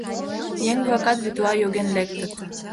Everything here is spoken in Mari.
Еҥ-влакат вӱдла йоген лектыт.